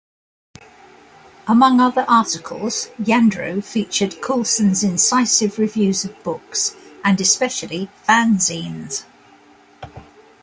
Among other articles, Yandro featured Coulson's incisive reviews of books and, especially, fanzines.